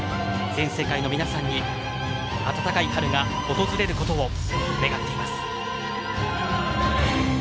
全世界の皆さんに暖かい春が訪れることを願っています。